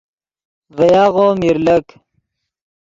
ڤے یاغو میر لک